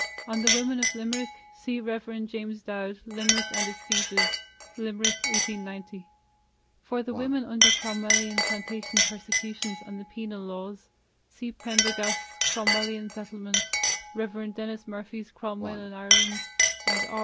On the women of Limerick, see Rev. James Dowd, Limerick and its Sieges (Limerick, 1890). For the women under Cromwellian Plantation persecutions and the Penal Laws, see Prendergast's Cromwellian Settlement, Rev. Denis Murphy's Cromwell in Ireland, and R.